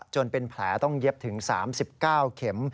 จนเป็นแผลต้องเย็บถึง๓๙เข็ม